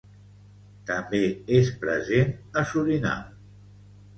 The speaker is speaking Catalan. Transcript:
També és present a Surinam.